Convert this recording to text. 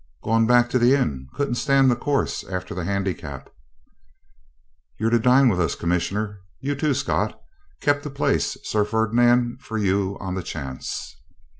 'Gone back to the inn. Couldn't stand the course after the handicap. You're to dine with us, Commissioner; you too, Scott; kept a place, Sir Ferdinand, for you on the chance.'